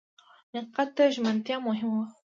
حقیقت ته ژمنتیا مهمه وه.